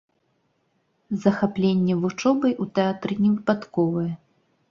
Захапленне вучобай у тэатры не выпадковае.